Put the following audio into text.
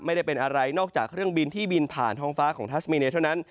ไม่ได้เป็นอะไรนอกจากเครื่องบินที่บินผ่านท้องฟ้าของทัสมีเนยเท่านั้น